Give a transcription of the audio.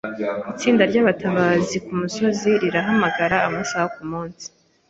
Itsinda ryabatabazi kumusozi rirahamagara amasaha kumunsi.